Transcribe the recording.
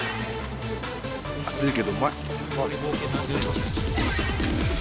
熱いけどうまい。